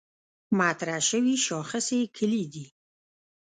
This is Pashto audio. مطرح شوې شاخصې کُلي دي.